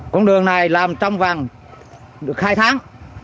con đường này làm trong vàng hai tháng